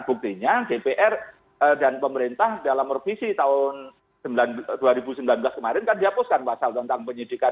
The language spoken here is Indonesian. buktinya dpr dan pemerintah dalam revisi tahun dua ribu sembilan belas kemarin kan dihapuskan pasal tentang penyidikan